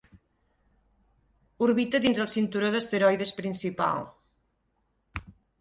Orbita dins el cinturó d'asteroides principal.